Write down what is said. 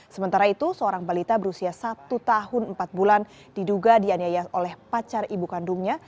sementara itu seorang balita berusia satu tahun empat bulan diduga dianiaya oleh pacar ibu kandungnya